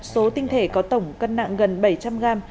số tinh thể có tổng cân nặng gần bảy trăm linh g